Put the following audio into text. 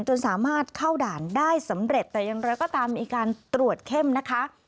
จนสามารถเข้าด่านได้สำเร็จแต่อย่างไรก็ตามมีการตรวจเข้มนะคะ